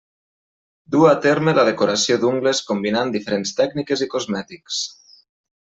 Duu a terme la decoració d'ungles combinant diferents tècniques i cosmètics.